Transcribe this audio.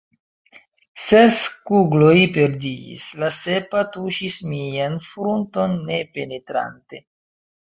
Ses kugloj perdiĝis; la sepa tuŝis mian frunton ne penetrante.